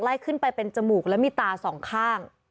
ขึ้นไปเป็นจมูกแล้วมีตาสองข้าง